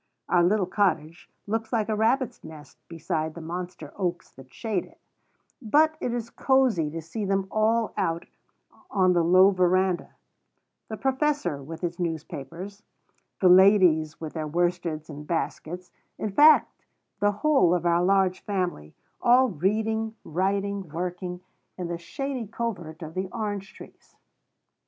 Our little cottage looks like a rabbit's nest beside the monster oaks that shade it; but it is cosey to see them all out on the low veranda, the Professor with his newspapers, the ladies with their worsteds and baskets, in fact the whole of our large family, all reading, writing, working, in the shady covert of the orange trees.